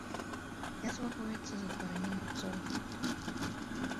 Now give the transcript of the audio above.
Язва гоіцца з утварэннем рубцоў.